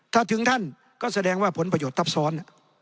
ถ้าถึงท่านก็แสดงว่าผลประโยชน์ทับซ้อน